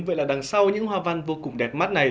vậy là đằng sau những hoa văn vô cùng đẹp mắt này